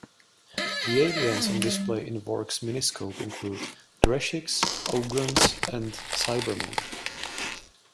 The aliens on display in Vorg's miniscope include: Drashigs, Ogrons and Cybermen.